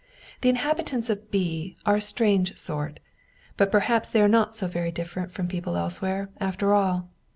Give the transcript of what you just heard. The inhabitants of B. are a strange sort ; but perhaps they are not so very different from people else where, after all